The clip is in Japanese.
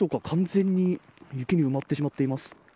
完全に雪に埋まってしまっています。